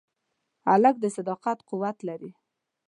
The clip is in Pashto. هلک د صداقت قوت لري.